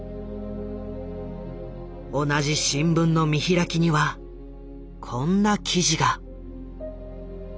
同じ新聞の見開きにはこんな記事が。